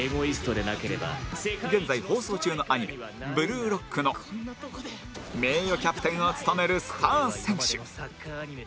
現在放送中のアニメ『ブルーロック』の名誉キャプテンを務めるスター選手